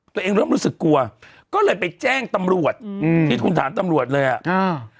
เริ่มรู้สึกกลัวก็เลยไปแจ้งตำรวจอืมที่คุณถามตำรวจเลยอ่ะอ่า